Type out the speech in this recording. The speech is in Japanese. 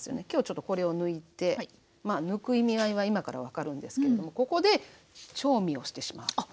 今日ちょっとこれを抜いて抜く意味合いは今から分かるんですけれどもここで調味をしてしまう。